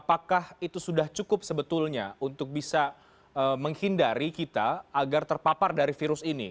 apakah itu sudah cukup sebetulnya untuk bisa menghindari kita agar terpapar dari virus ini